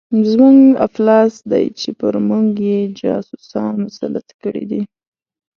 زموږ افلاس دی چې پر موږ یې جاسوسان مسلط کړي دي.